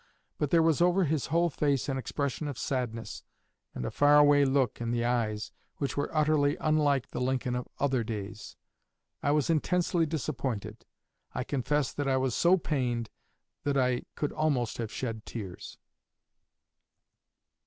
But there was over his whole face an expression of sadness, and a far away look in the eyes, which were utterly unlike the Lincoln of other days. I was intensely disappointed. I confess that I was so pained that I could almost have shed tears."